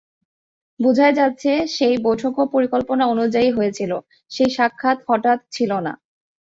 বোঝাই যাচ্ছে, সেই বৈঠকও পরিকল্পনা অনুযায়ীই হয়েছিল, সেই সাক্ষাৎ হঠাৎ ছিল না।